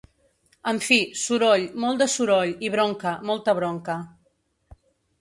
En fi, soroll, molt de soroll i bronca, molta bronca.